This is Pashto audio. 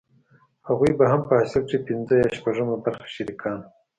هغوې به هم په حاصل کښې پينځمه يا شپږمه برخه شريکان وو.